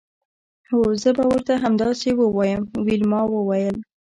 هو زه به ورته همداسې ووایم ویلما وویل